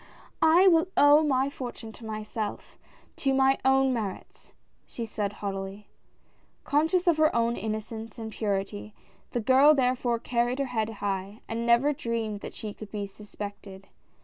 "I will owe my fortune to myself — to my own merits," she said, haughtily. Conscious of her own innocence and purit}", the girl therefore carried her head high, and never dreamed that she could be suspected.